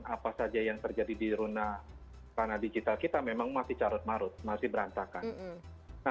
apa saja yang terjadi dina digital kita memang masih carut marut masih berantakan